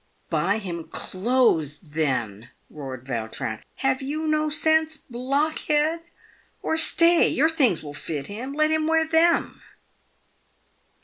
" Buy him clothes, then," roared Vautrin. " Have you no sense, blockhead ? Or, stay ; your things will fit him — let him wear them."